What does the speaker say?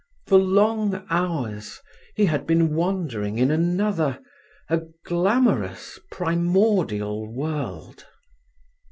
For long hours he had been wandering in another—a glamorous, primordial world.